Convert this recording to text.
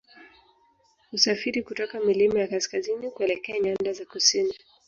Husafiri kutoka milima ya kaskazini kuelekea nyanda za kusini